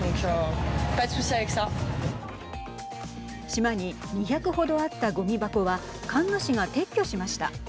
島に２００ほどあったごみ箱はカンヌ市が撤去しました。